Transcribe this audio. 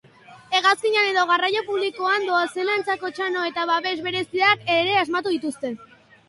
Hegazkinean edo garraio publikoan doazenentzat, txano eta babes bereziak ere asmatu dituzte.